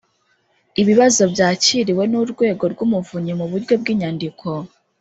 ibibazo byakiriwe n urwego rw umuvunyi mu buryo bw inyandiko